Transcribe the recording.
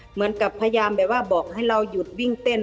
เหมือนกับพยายามแบบว่าบอกให้เราหยุดวิ่งเต้น